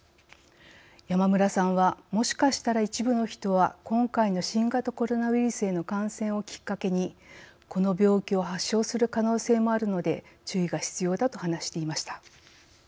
山村さんはもしかしたら一部の人は今回の新型コロナウイルスへの感染をきっかけにこの病気を発症する可能性もあるので注意が必要だと話していました。